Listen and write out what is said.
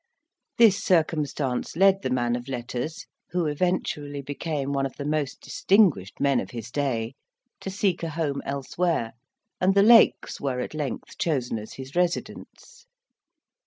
This circumstance led the man of letters, who eventually became one of the most distinguished men of his day, to seek a home elsewhere, and the Lakes were at length chosen as his residence.